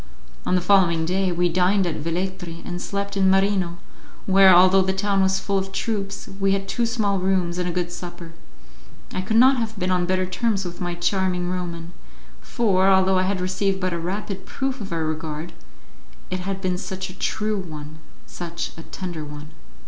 On the following day we dined at Velletri and slept in Marino, where, although the town was full of troops, we had two small rooms and a good supper. I could not have been on better terms with my charming Roman; for, although I had received but a rapid proof of her regard, it had been such a true one such a tender one!